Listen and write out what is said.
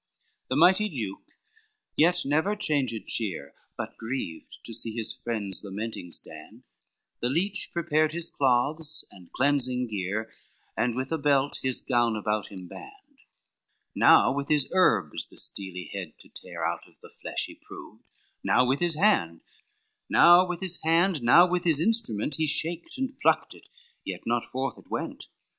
LXXI The mighty duke yet never changed cheer, But grieved to see his friends lamenting stand; The leech prepared his cloths and cleansing gear, And with a belt his gown about him band, Now with his herbs the steely head to tear Out of the flesh he proved, now with his hand, Now with his hand, now with his instrument He shaked and plucked it, yet not forth it went.